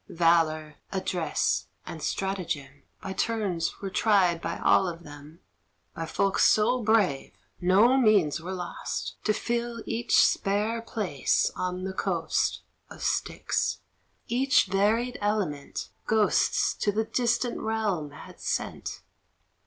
Valour, address, and stratagem, By turns were tried by all of them; By folks so brave no means were lost To fill each spare place on the coast Of Styx. Each varied element Ghosts to the distant realm had sent.